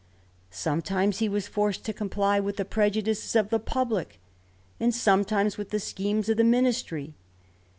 Sometimes he was forced to comply with the prejudices of the publick, and sometimes with the schemes of the ministry.